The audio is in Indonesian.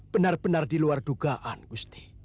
benar benar diluar dugaan gusti